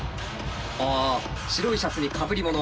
あ白いシャツにかぶり物。